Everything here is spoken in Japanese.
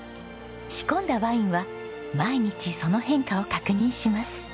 仕込んだワインは毎日その変化を確認します。